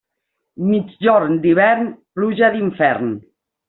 Migjorn d'hivern, pluja d'infern.